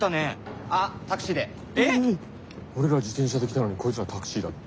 俺ら自転車で来たのにこいつらタクシーだって。